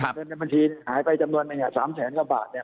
เงินในบัญชีหายไปจำนวนอย่างเนี่ย๓แสนกว่าบาทเนี่ย